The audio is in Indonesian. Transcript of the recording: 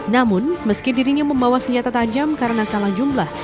namun meski dirinya membawa senjata tajam karena kalah jumlah